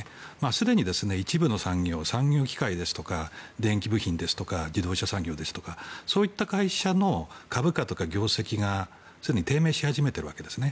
すでに一部の産業産業機械ですとか電気部品ですとか自動車産業そういった会社の株価とか業績がすでに低迷し始めているわけですね。